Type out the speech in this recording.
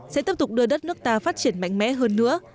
sẽ tiếp tục đưa đất nước ta phát triển mạnh mẽ hơn nữa